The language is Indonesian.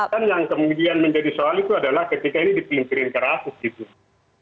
dan yang kemudian menjadi soal itu adalah ketika ini dipelintirin ke rasis gitu